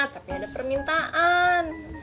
tapi ada permintaan